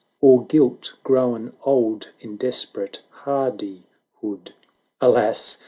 Or guilt grown old in desperate hardi hood? Alas